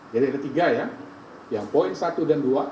jadi itu tiga ya yang poin satu dan dua